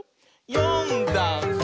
「よんだんす」